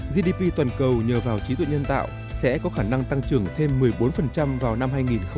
gdp toàn cầu nhờ vào trí tuệ nhân tạo sẽ có khả năng tăng trưởng thêm một mươi bốn vào năm hai nghìn hai mươi